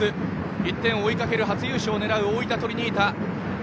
１点を追いかける初優勝を狙う大分トリニータ。